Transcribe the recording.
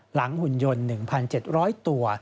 หลังหุ่นยนต์๑๗๐๐ตัว